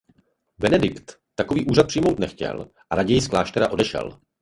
Benedikt takový úřad přijmout nechtěl a raději z kláštera odešel.